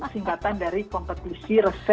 singkatan dari kompetisi resep